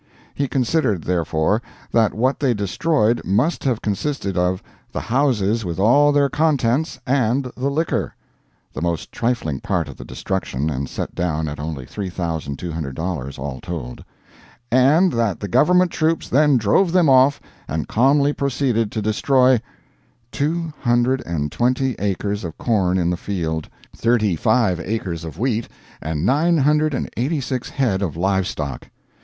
He considered, therefore, that what they destroyed must have consisted of "the houses with all their contents, and the liquor" (the most trifling part of the destruction, and set down at only $3,200 all told), and that the government troops then drove them off and calmly proceeded to destroy Two hundred and twenty acres of corn in the field, thirty five acres of wheat, and nine hundred and eighty six head of live stock!